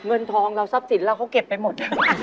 เงินทองเราทรัพย์สินเราเขาเก็บไปหมด